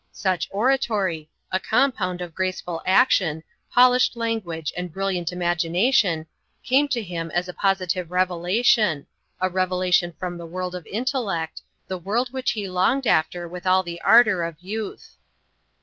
Such oratory a compound of graceful action, polished language, and brilliant imagination, came to him as a positive revelation, a revelation from the world of intellect, the world which he longed after with all the ardour of youth.